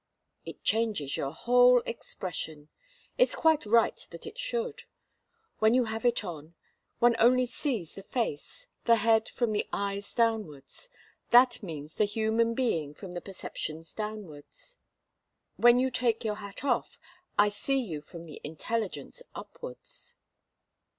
"It changes your whole expression. It's quite right that it should. When you have it on, one only sees the face the head from the eyes downwards that means the human being from the perceptions downwards. When you take your hat off, I see you from the intelligence upwards."